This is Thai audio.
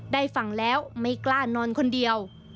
ได้ฟังแล้วไม่กล้านอนคนเดียว